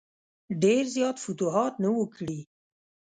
ډېر زیات فتوحات نه وه کړي.